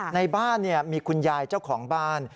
ในบ้านมีคุณยายเจ้าของบ้าน